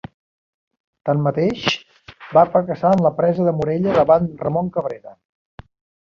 Tanmateix, va fracassar en la presa de Morella davant Ramon Cabrera.